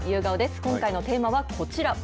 今回のテーマはこちら。